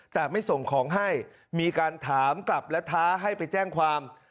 แต่ไม่ส่งของให้มีการถามกลับและท้าให้ไปแจ้งความ